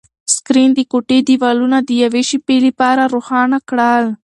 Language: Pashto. سکرین د کوټې دیوالونه د یوې شېبې لپاره روښانه کړل.